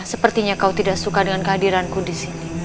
sepertinya kau tidak suka dengan kehadiranku disini